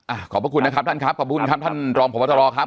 อ่าขอบพระคุณนะครับท่านครับขอบพระคุณครับท่านรองของพัทรวครับ